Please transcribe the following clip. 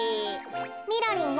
みろりんよ。